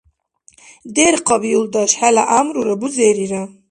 Дерхъаб, юлдаш, хӀела гӀямрура, бузерира!